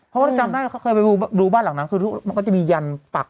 เพราะว่าจำได้เขาเคยไปดูบ้านหลังนั้นคือมันก็จะมียันปัก